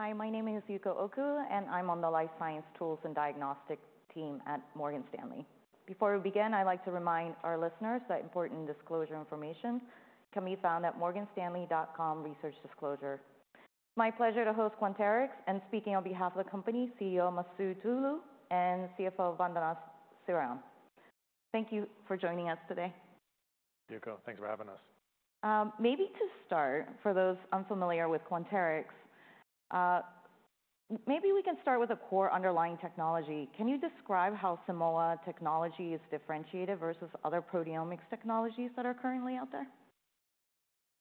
Hi, my name is Yuko Oku, and I'm on the Life Science Tools and Diagnostics team at Morgan Stanley. Before we begin, I'd like to remind our listeners that important disclosure information can be found at morganstanley.com/researchdisclosure. It's my pleasure to host Quanterix, and speaking on behalf of the company, CEO Masoud Toloue and CFO Vandana Sriram. Thank you for joining us today. Yuko, thanks for having us. Maybe to start, for those unfamiliar with Quanterix, maybe we can start with the core underlying technology. Can you describe how Simoa technology is differentiated versus other proteomics technologies that are currently out there?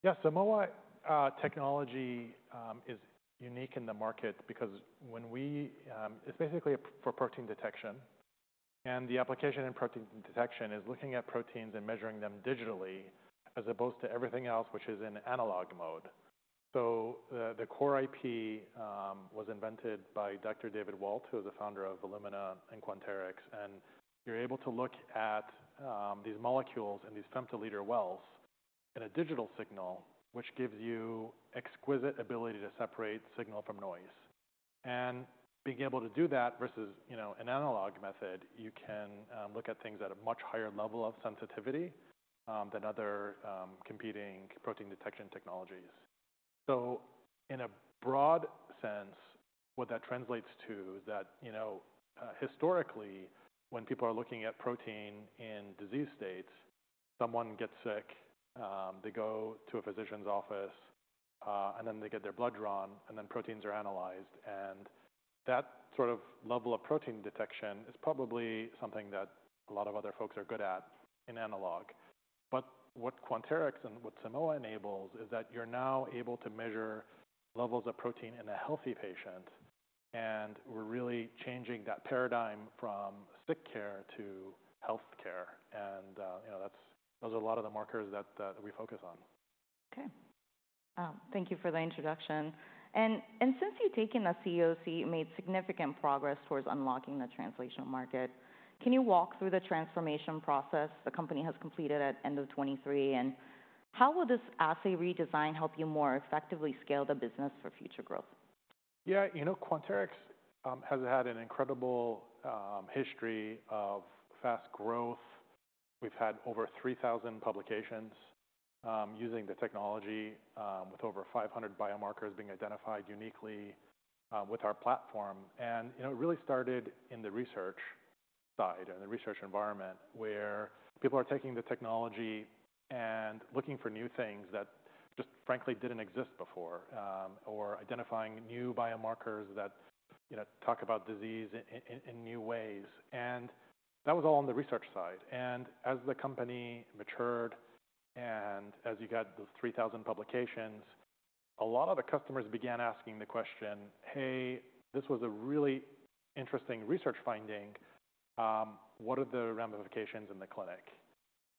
Yeah, Simoa technology is unique in the market because when we. It's basically for protein detection, and the application in protein detection is looking at proteins and measuring them digitally, as opposed to everything else, which is in analog mode. So the core IP was invented by Dr. David Walt, who is the founder of Illumina and Quanterix, and you're able to look at these molecules in these femtoliter wells in a digital signal, which gives you exquisite ability to separate signal from noise. And being able to do that versus, you know, an analog method, you can look at things at a much higher level of sensitivity than other competing protein detection technologies. So in a broad sense, what that translates to is that, you know, historically, when people are looking at protein in disease states, someone gets sick, they go to a physician's office, and then they get their blood drawn, and then proteins are analyzed. And that sort of level of protein detection is probably something that a lot of other folks are good at in analog. But what Quanterix and what Simoa enables is that you're now able to measure levels of protein in a healthy patient, and we're really changing that paradigm from sick care to healthcare. And, you know, that's, those are a lot of the markers that we focus on. Okay. Thank you for the introduction. And since you've taken the CEO seat, you, made significant progress towards unlocking the translational market, can you walk through the transformation process the company has completed at the end of 2023, and how will this assay redesign help you more effectively scale the business for future growth? Yeah, you know, Quanterix has had an incredible history of fast growth. We've had over 3,000 publications using the technology with over 500 biomarkers being identified uniquely with our platform. And, you know, it really started in the research side, or the research environment, where people are taking the technology and looking for new things that just frankly didn't exist before or identifying new biomarkers that, you know, talk about disease in new ways. And that was all on the research side. And as the company matured and as you got those 3,000 publications, a lot of the customers began asking the question: "Hey, this was a really interesting research finding. What are the ramifications in the clinic?"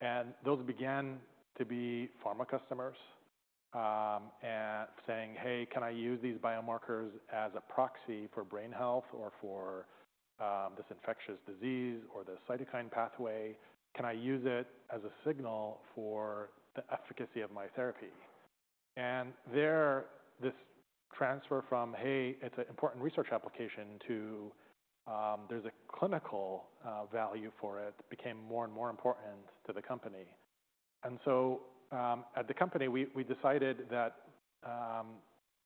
And those began to be pharma customers, saying: "Hey, can I use these biomarkers as a proxy for brain health, or for, this infectious disease, or this cytokine pathway? Can I use it as a signal for the efficacy of my therapy?" And there, this transfer from, "Hey, it's an important research application," to, "There's a clinical, value for it," became more and more important to the company. And so, at the company, we decided that,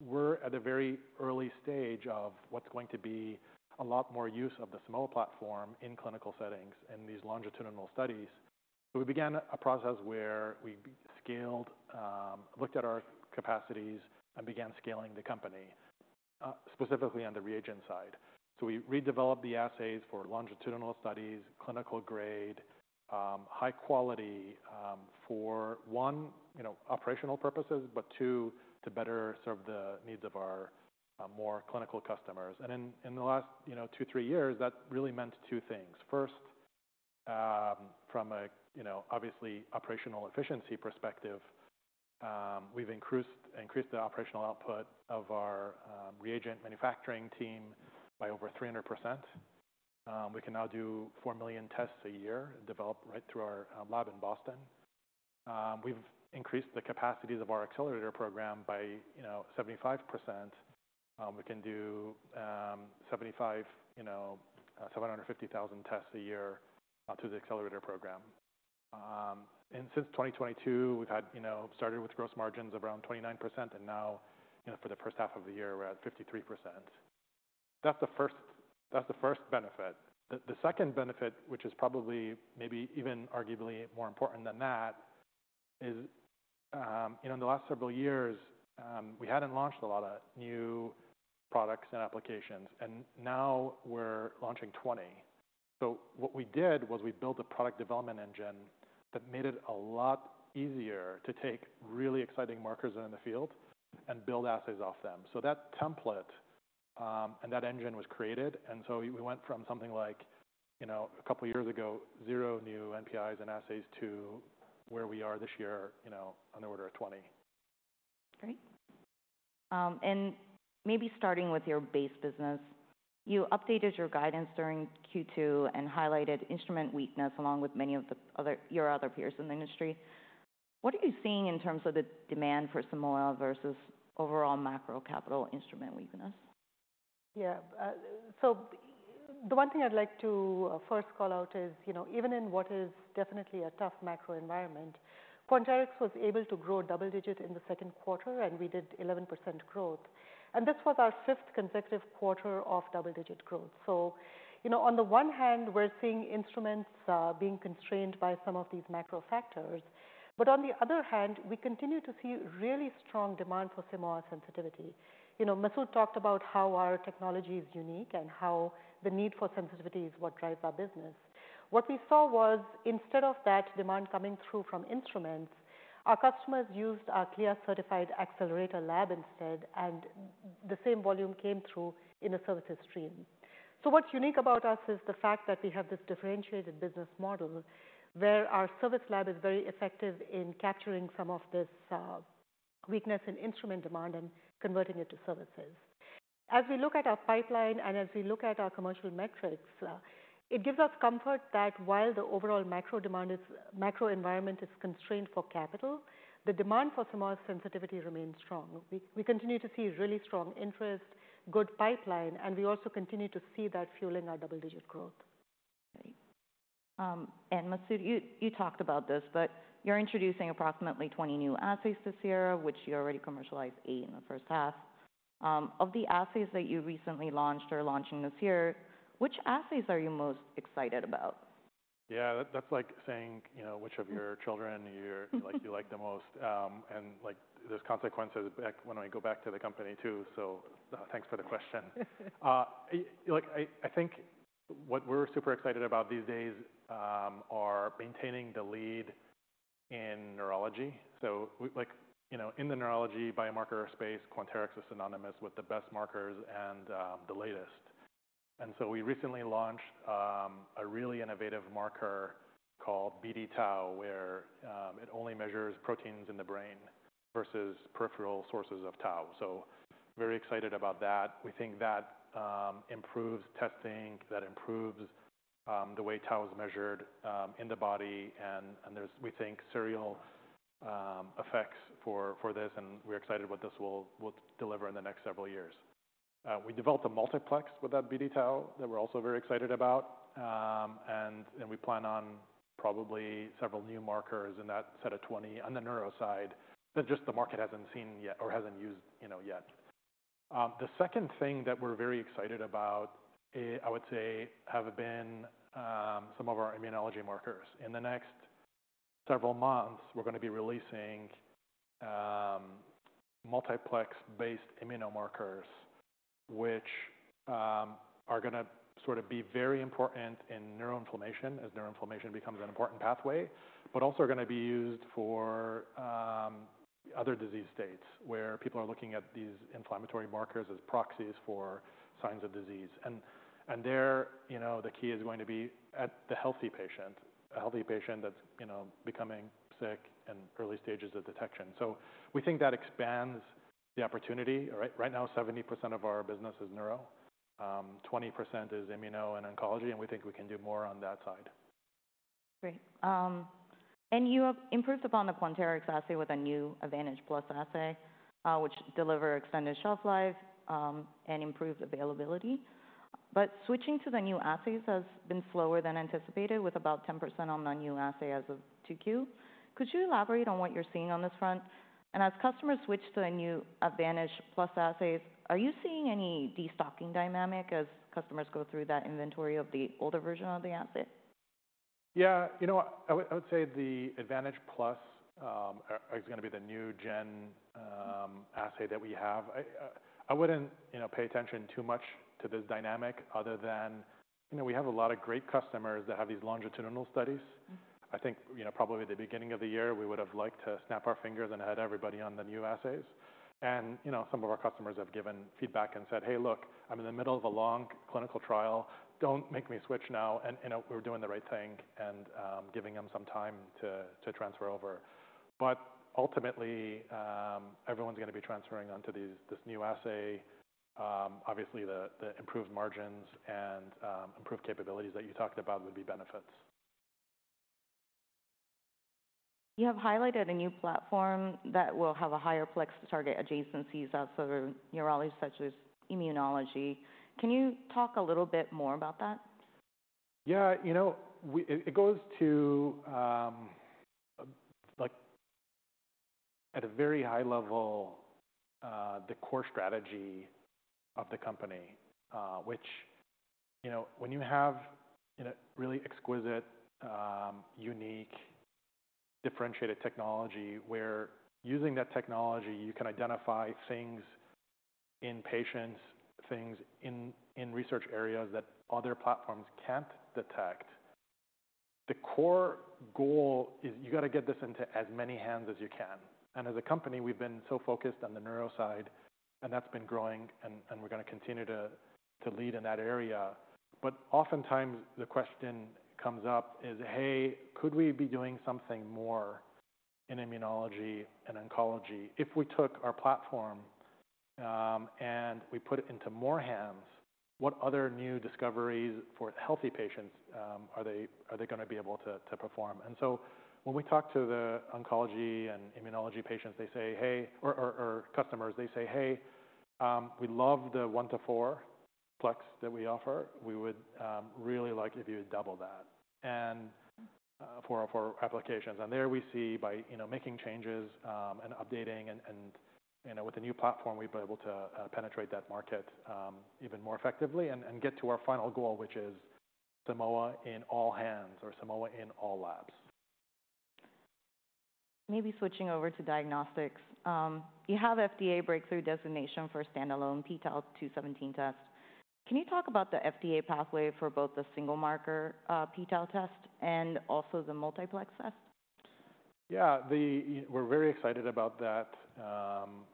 we're at a very early stage of what's going to be a lot more use of the Simoa platform in clinical settings and these longitudinal studies. So we began a process where we scaled, looked at our capacities and began scaling the company, specifically on the reagent side. So we redeveloped the assays for longitudinal studies, clinical grade, high quality, for one, you know, operational purposes, but two, to better serve the needs of our more clinical customers. And in the last, you know, two, three years, that really meant two things. First, from a, you know, obviously operational efficiency perspective, we've increased the operational output of our reagent manufacturing team by over 300%. We can now do 4 million tests a year, developed right through our lab in Boston. We've increased the capacities of our Accelerator program by 75%. We can do, you know, 750,000 tests a year through the Accelerator program. And since 2022, we've had, you know, started with gross margins around 29%, and now, you know, for the first half of the year, we're at 53%. That's the first benefit. The second benefit, which is probably, maybe even arguably more important than that, is, you know, in the last several years, we hadn't launched a lot of new products and applications, and now we're launching 20. So what we did was we built a product development engine that made it a lot easier to take really exciting markers in the field and build assays off them. So that template, and that engine was created, and so we went from something like, you know, a couple of years ago, zero new NPIs and assays to where we are this year, you know, on the order of 20. Great. And maybe starting with your base business, you updated your guidance during Q2 and highlighted instrument weakness, along with many of your other peers in the industry. What are you seeing in terms of the demand for Simoa versus overall macro capital instrument weakness? Yeah, so the one thing I'd like to first call out is, you know, even in what is definitely a tough macro environment, Quanterix was able to grow double digit in the second quarter, and we did 11% growth. And this was our fifth consecutive quarter of double-digit growth. So, you know, on the one hand, we're seeing instruments being constrained by some of these macro factors, but on the other hand, we continue to see really strong demand for Simoa sensitivity. You know, Masoud talked about how our technology is unique and how the need for sensitivity is what drives our business. What we saw was instead of that demand coming through from instruments, our customers used our CLIA-certified Accelerator lab instead, and the same volume came through in a services stream. So what's unique about us is the fact that we have this differentiated business model, where our service lab is very effective in capturing some of this weakness in instrument demand and converting it to services. As we look at our pipeline and as we look at our commercial metrics, it gives us comfort that while the overall macro environment is constrained for capital, the demand for Simoa sensitivity remains strong. We continue to see really strong interest, good pipeline, and we also continue to see that fueling our double-digit growth. Great, and Masoud, you talked about this, but you're introducing approximately twenty new assays this year, which you already commercialized eight in the first half. Of the assays that you recently launched or are launching this year, which assays are you most excited about? Yeah, that's like saying, you know, which of your children you like the most. And, like, there's consequences back when I go back to the company, too, so, thanks for the question. Like, I think what we're super excited about these days are maintaining the lead in neurology. So we like, you know, in the neurology biomarker space, Quanterix is synonymous with the best markers and the latest. And so we recently launched a really innovative marker called BD-Tau, where it only measures proteins in the brain versus peripheral sources of Tau. So very excited about that. We think that improves testing, that improves the way Tau is measured in the body and there's we think serial effects for this, and we're excited what this will deliver in the next several years. We developed a multiplex with that BD-Tau that we're also very excited about. And we plan on probably several new markers in that set of twenty on the neuro side, that just the market hasn't seen yet or hasn't used, you know, yet. The second thing that we're very excited about is, I would say, have been some of our immunology markers. In the next several months, we're gonna be releasing multiplex-based immunomarkers, which are gonna sort of be very important in neuroinflammation, as neuroinflammation becomes an important pathway. But also are gonna be used for other disease states, where people are looking at these inflammatory markers as proxies for signs of disease. And there, you know, the key is going to be at the healthy patient, a healthy patient that's, you know, becoming sick, and early stages of detection. So we think that expands the opportunity. Right, right now, 70% of our business is neuro, 20% is immuno and oncology, and we think we can do more on that side. Great. And you have improved upon the Quanterix assay with a new Advantage Plus assay, which deliver extended shelf life, and improved availability. But switching to the new assays has been slower than anticipated, with about 10% on the new assay as of 2Q. Could you elaborate on what you're seeing on this front? And as customers switch to the new Advantage Plus assays, are you seeing any destocking dynamic as customers go through that inventory of the older version of the assay? Yeah, you know what? I would say the Advantage Plus is gonna be the new gen assay that we have. I wouldn't, you know, pay attention too much to this dynamic other than, you know, we have a lot of great customers that have these longitudinal studies. I think, you know, probably at the beginning of the year, we would have liked to snap our fingers and add everybody on the new assays. And, you know, some of our customers have given feedback and said, "Hey, look, I'm in the middle of a long clinical trial. Don't make me switch now." And, you know, we're doing the right thing and giving them some time to transfer over. But ultimately, everyone's gonna be transferring onto this new assay. Obviously, the improved margins and improved capabilities that you talked about would be benefits. You have highlighted a new platform that will have a higher plex to target adjacencies outside of neurology, such as immunology. Can you talk a little bit more about that? Yeah, you know, we. It goes to, like, at a very high level, the core strategy of the company, which, you know, when you have a really exquisite, unique, differentiated technology, where using that technology, you can identify things in patients, things in research areas that other platforms can't detect, the core goal is you gotta get this into as many hands as you can. And as a company, we've been so focused on the neuro side, and that's been growing, and we're gonna continue to lead in that area. But oftentimes, the question comes up is, "Hey, could we be doing something more in immunology and oncology if we took our platform?" and we put it into more hands, what other new discoveries for healthy patients, are they going to be able to perform? And so when we talk to the oncology and immunology patients, they say, "Hey-" or customers, they say, "Hey, we love the one-to-four plex that we offer. We would really like if you would double that," and for applications. And there we see by, you know, making changes and updating and, you know, with the new platform, we've been able to penetrate that market even more effectively and get to our final goal, which is Simoa in all hands or Simoa in all labs. Maybe switching over to diagnostics. You have FDA breakthrough designation for standalone p-Tau 217 test. Can you talk about the FDA pathway for both the single marker, p-Tau test and also the multiplex test? Yeah, we're very excited about that.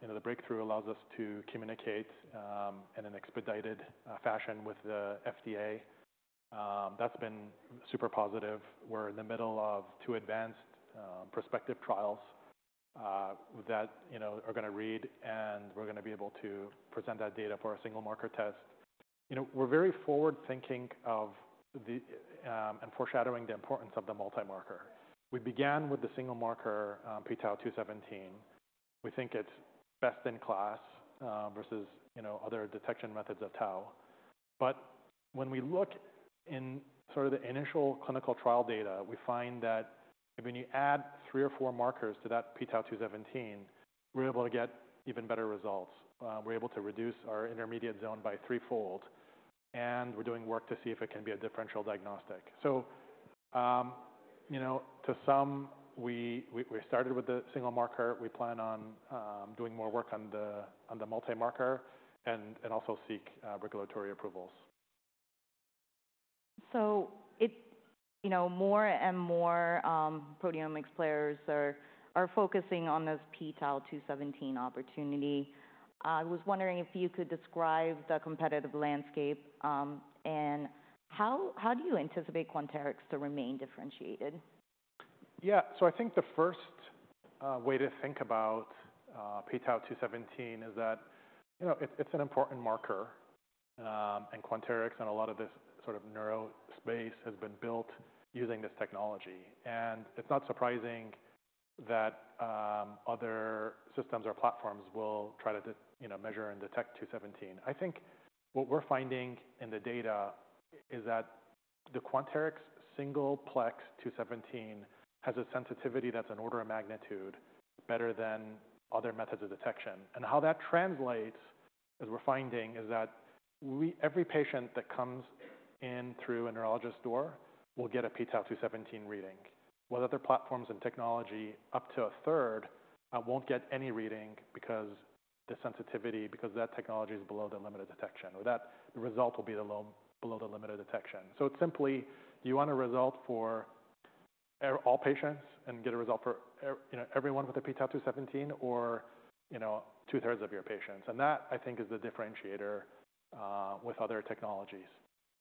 You know, the breakthrough allows us to communicate in an expedited fashion with the FDA. That's been super positive. We're in the middle of two advanced prospective trials that you know are going to read, and we're going to be able to present that data for our single marker test. You know, we're very forward-thinking of the and foreshadowing the importance of the multi-marker. We began with the single marker p-Tau 217. We think it's best in class versus you know other detection methods of Tau. But when we look in sort of the initial clinical trial data, we find that if when you add three or four markers to that p-Tau 217, we're able to get even better results. We're able to reduce our intermediate zone by threefold, and we're doing work to see if it can be a differential diagnostic. So, you know, to sum, we started with the single marker. We plan on doing more work on the multi-marker and also seek regulatory approvals. So, you know, more and more proteomics players are focusing on this p-Tau 217 opportunity. I was wondering if you could describe the competitive landscape, and how do you anticipate Quanterix to remain differentiated? Yeah. So I think the first way to think about p-Tau 217 is that, you know, it's, it's an important marker, and Quanterix and a lot of this sort of neuro space has been built using this technology. And it's not surprising that other systems or platforms will try to, you know, measure and detect 217. I think what we're finding in the data is that the Quanterix singleplex 217 has a sensitivity that's an order of magnitude better than other methods of detection. And how that translates, as we're finding, is that every patient that comes in through a neurologist door will get a p-Tau 217 reading, while other platforms and technology, up to a third, won't get any reading because the sensitivity, because that technology is below the limit of detection, or that result will be below the limit of detection. So it's simply you want a result for all patients and get a result for you know, everyone with a p-Tau 217 or, you know, two-thirds of your patients. And that, I think, is the differentiator with other technologies.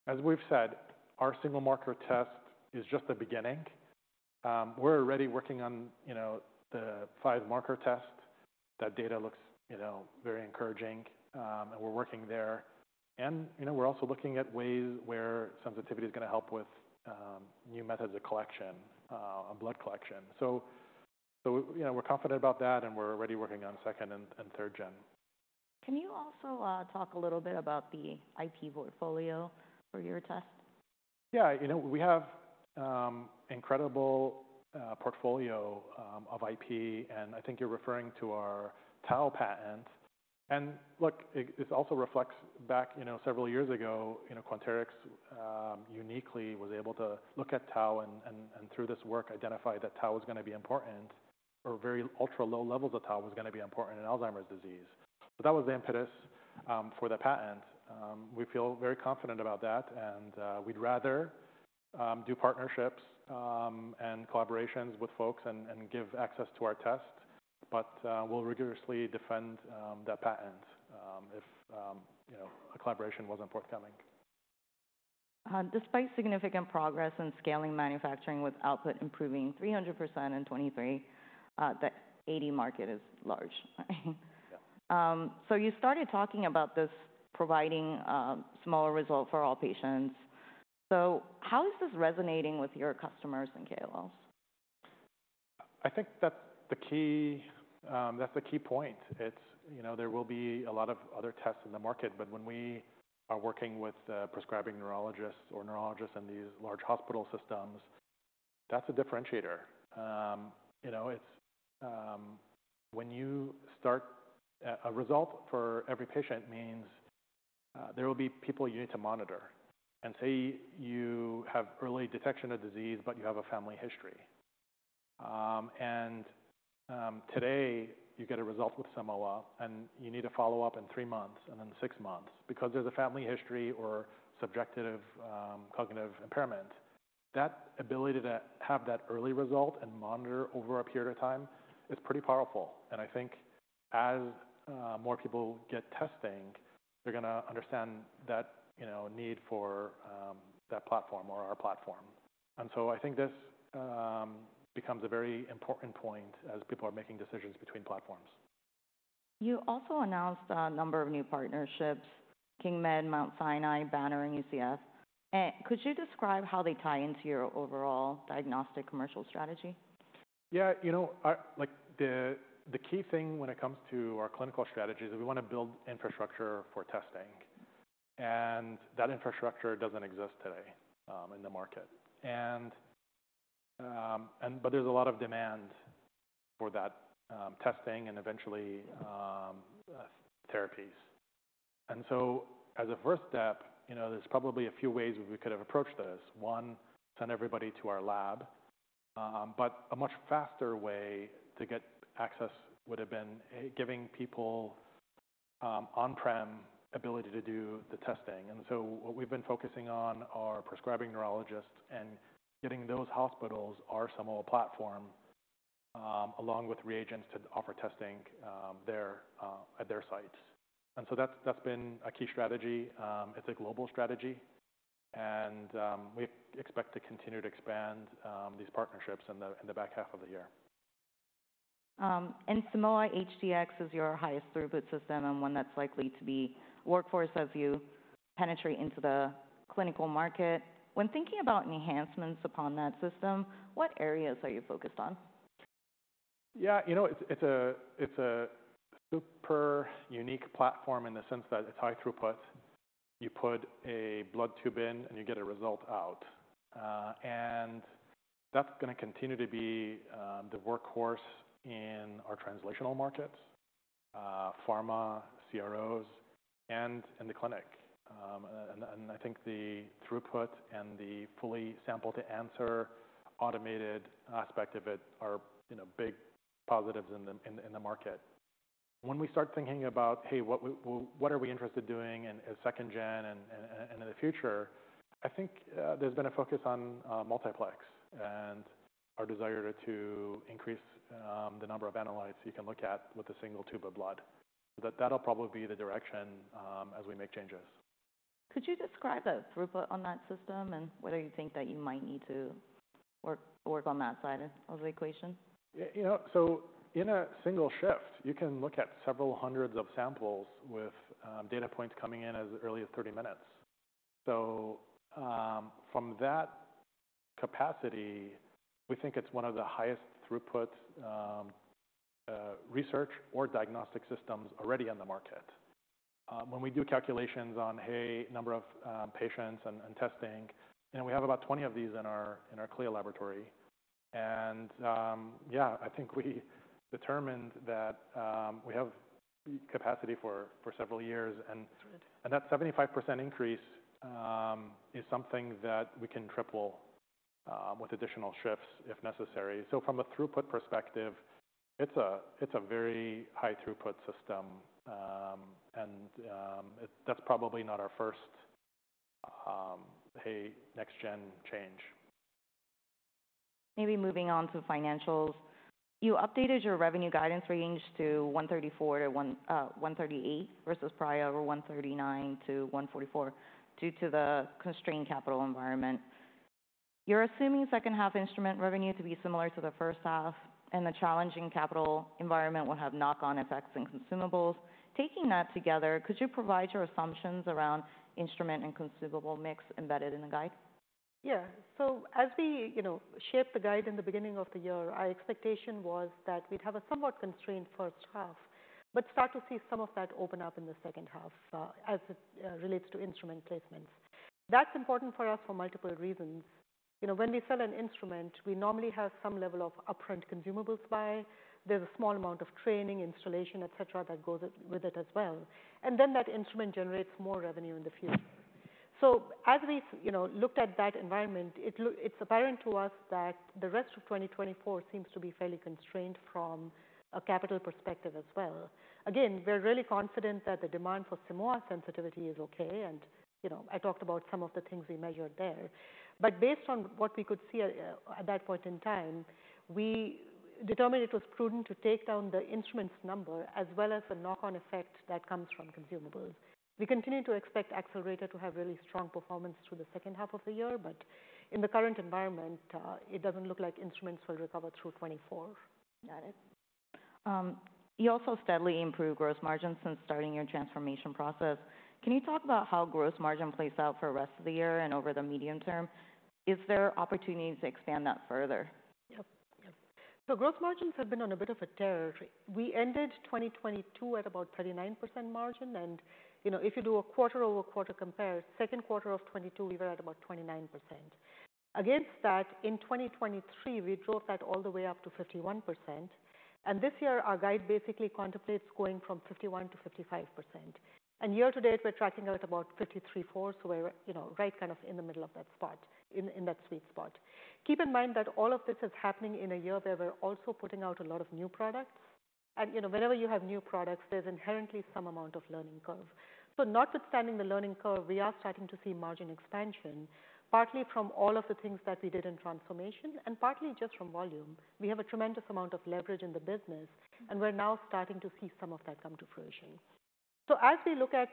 As we've said, our single marker test is just the beginning. We're already working on, you know, the five marker test. That data looks, you know, very encouraging, and we're working there. You know, we're also looking at ways where sensitivity is going to help with new methods of collection on blood collection. You know, we're confident about that, and we're already working on second and third gen. Can you also talk a little bit about the IP portfolio for your test? Yeah. You know, we have incredible portfolio of IP, and I think you're referring to our Tau patent. And look, it, this also reflects back, you know, several years ago, you know, Quanterix uniquely was able to look at Tau and through this work, identify that Tau was going to be important or very ultra-low levels of Tau was going to be important in Alzheimer's disease. So that was the impetus for the patent. We feel very confident about that, and we'd rather do partnerships and collaborations with folks and give access to our test, but we'll rigorously defend the patent if you know, a collaboration wasn't forthcoming. Despite significant progress in scaling manufacturing with output improving 300% in 2023, the AD market is large, right? Yeah. So you started talking about this providing smaller result for all patients. So how is this resonating with your customers and KOLs? I think that's the key, that's the key point. It's, you know, there will be a lot of other tests in the market, but when we are working with the prescribing neurologists or neurologists in these large hospital systems, that's a differentiator. You know, it's... When you start, a result for every patient means, there will be people you need to monitor. And say you have early detection of disease, but you have a family history, and, today you get a result with Simoa, and you need to follow up in three months and then six months because there's a family history or subjective cognitive impairment. That ability to have that early result and monitor over a period of time is pretty powerful, and I think as more people get testing, they're gonna understand that, you know, need for that platform or our platform. And so I think this becomes a very important point as people are making decisions between platforms. You also announced a number of new partnerships, KingMed, Mount Sinai, Banner, and UCSF. Could you describe how they tie into your overall diagnostic commercial strategy? Yeah, you know, like, the key thing when it comes to our clinical strategy is we want to build infrastructure for testing, and that infrastructure doesn't exist today, in the market. And but there's a lot of demand for that testing and eventually, therapies. And so as a first step, you know, there's probably a few ways we could have approached this. One, send everybody to our lab, but a much faster way to get access would have been, giving people, on-prem ability to do the testing. And so what we've been focusing on are prescribing neurologists and getting those hospitals our Simoa platform, along with reagents to offer testing, there at their sites. And so that's been a key strategy. It's a global strategy, and we expect to continue to expand these partnerships in the back half of the year. And Simoa HD-X is your highest throughput system and one that's likely to be workhorse as you penetrate into the clinical market. When thinking about enhancements upon that system, what areas are you focused on? Yeah, you know, it's a super unique platform in the sense that it's high throughput. You put a blood tube in, and you get a result out. And that's gonna continue to be the workhorse in our translational markets, pharma, CROs, and in the clinic. And I think the throughput and the fully sample-to-answer automated aspect of it are, you know, big positives in the market. When we start thinking about, "Hey, what are we interested in doing as second gen and in the future?" I think there's been a focus on multiplex and our desire to increase the number of analytes you can look at with a single tube of blood. That'll probably be the direction as we make changes. Could you describe the throughput on that system and whether you think that you might need to work on that side of the equation? Yeah, you know, so in a single shift, you can look at several hundreds of samples with data points coming in as early as 30 minutes. So, from that capacity, we think it's one of the highest throughput research or diagnostic systems already on the market. When we do calculations on, hey, number of patients and testing, and we have about 20 of these in our CLIA laboratory, and, yeah, I think we determined that we have capacity for several years. And- Great. And that 75% increase is something that we can triple with additional shifts if necessary. So from a throughput perspective, it's a very high throughput system. And it... that's probably not our first next gen change. Maybe moving on to financials. You updated your revenue guidance range to $134 million-$138 million versus prior over $139 million-$144 million, due to the constrained capital environment. You're assuming second half instrument revenue to be similar to the first half, and the challenging capital environment will have knock-on effects in consumables. Taking that together, could you provide your assumptions around instrument and consumable mix embedded in the guide? Yeah. So as we, you know, shaped the guide in the beginning of the year, our expectation was that we'd have a somewhat constrained first half, but start to see some of that open up in the second half, as it relates to instrument placements. That's important for us for multiple reasons. You know, when we sell an instrument, we normally have some level of upfront consumable supply. There's a small amount of training, installation, et cetera, that goes with it as well, and then that instrument generates more revenue in the future. So as we, you know, looked at that environment, it's apparent to us that the rest of 2024 seems to be fairly constrained from a capital perspective as well. Again, we're really confident that the demand for Simoa sensitivity is okay, and, you know, I talked about some of the things we measured there. But based on what we could see at, at that point in time, we determined it was prudent to take down the instruments number, as well as the knock-on effect that comes from consumables. We continue to expect Accelerator to have really strong performance through the second half of the year, but in the current environment, it doesn't look like instruments will recover through 2024. Got it. You also steadily improved gross margins since starting your transformation process. Can you talk about how gross margin plays out for the rest of the year and over the medium term? Is there opportunities to expand that further? Yep. Yep. So gross margins have been on a bit of a trajectory. We ended 2022 at about 39% margin, and, you know, if you do a quarter-over-quarter compare, second quarter of 2022, we were at about 29%. Against that, in 2023, we drove that all the way up to 51%, and this year our guide basically contemplates going from 51% to 55%. And year to date, we're tracking at about 53.4%, so we're, you know, right kind of in the middle of that spot, in, in that sweet spot. Keep in mind that all of this is happening in a year where we're also putting out a lot of new products, and, you know, whenever you have new products, there's inherently some amount of learning curve. So notwithstanding the learning curve, we are starting to see margin expansion, partly from all of the things that we did in transformation and partly just from volume. We have a tremendous amount of leverage in the business, and we're now starting to see some of that come to fruition. So as we look at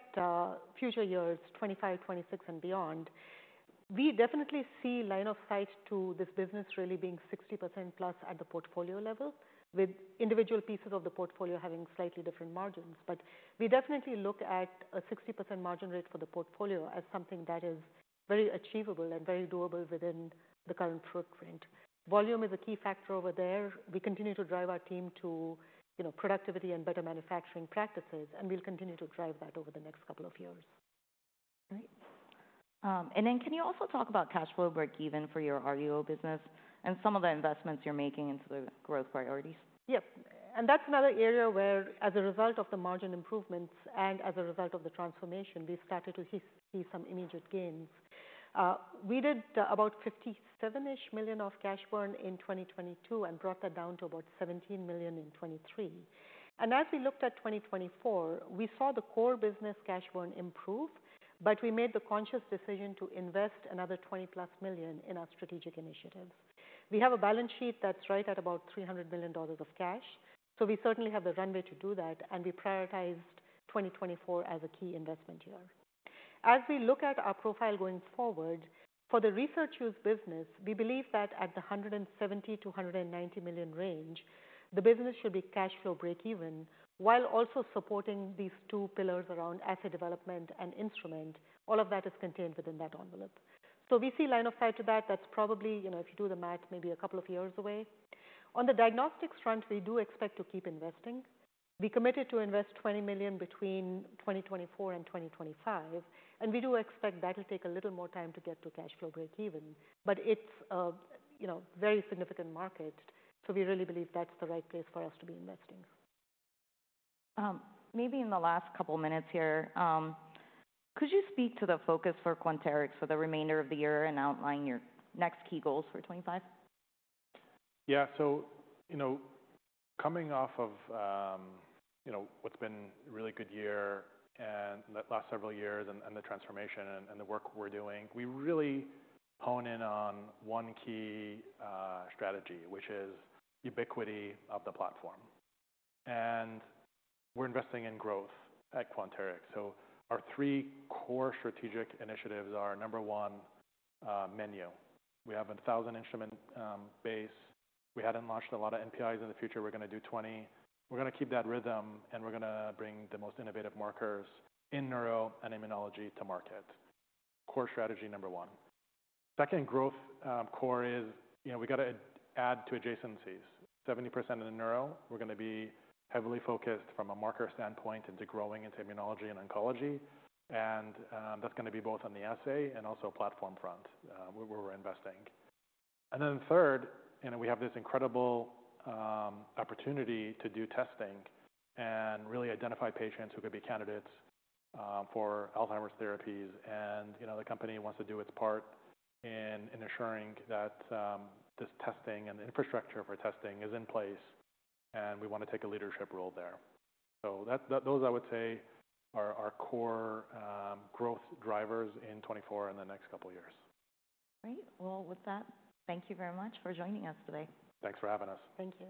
future years, 2025, 2026 and beyond, we definitely see line of sight to this business really being 60% plus at the portfolio level, with individual pieces of the portfolio having slightly different margins. But we definitely look at a 60% margin rate for the portfolio as something that is very achievable and very doable within the current footprint. Volume is a key factor over there. We continue to drive our team to, you know, productivity and better manufacturing practices, and we'll continue to drive that over the next couple of years. Great. And then can you also talk about cash flow break even for your RUO business and some of the investments you're making into the growth priorities? Yep. And that's another area where, as a result of the margin improvements and as a result of the transformation, we've started to see some immediate gains. We did about $57-ish million of cash burn in 2022 and brought that down to about $17 million in 2023. And as we looked at 2024, we saw the core business cash burn improve, but we made the conscious decision to invest another 20 plus million in our strategic initiatives. We have a balance sheet that's right at about $300 million of cash, so we certainly have the runway to do that, and we prioritized 2024 as a key investment year. As we look at our profile going forward, for the research use business, we believe that at the $170 million-$190 million range, the business should be cash flow break even, while also supporting these two pillars around assay development and instrument. All of that is contained within that envelope. So we see line of sight to that. That's probably, you know, if you do the math, maybe a couple of years away. On the diagnostics front, we do expect to keep investing. We committed to invest $20 million between 2024 and 2025, and we do expect that'll take a little more time to get to cash flow break even. But it's a, you know, very significant market, so we really believe that's the right place for us to be investing. Maybe in the last couple minutes here, could you speak to the focus for Quanterix for the remainder of the year and outline your next key goals for 2025? Yeah. So, you know, coming off of, you know, what's been a really good year and the last several years and, and the transformation and, and the work we're doing, we really hone in on one key strategy, which is ubiquity of the platform. And we're investing in growth at Quanterix. So our three core strategic initiatives are, number one, menu. We have a thousand instrument base. We hadn't launched a lot of NPIs in the future, we're gonna do twenty. We're gonna keep that rhythm, and we're gonna bring the most innovative markers in neuro and immunology to market. Core strategy number one. Second, growth core is, you know, we got to add to adjacencies. 70% of the neuro, we're gonna be heavily focused from a marker standpoint into growing into immunology and oncology, and that's gonna be both on the assay and also platform front, where we're investing. Then third, you know, we have this incredible opportunity to do testing and really identify patients who could be candidates for Alzheimer's therapies. You know, the company wants to do its part in ensuring that this testing and the infrastructure for testing is in place, and we want to take a leadership role there. Those, I would say, are our core growth drivers in 2024 and the next couple of years. Great! Well, with that, thank you very much for joining us today. Thanks for having us. Thank you.